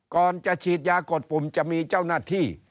ก่อนจะฉีดยากดปุ่มจะมีเจ้าหน้าที่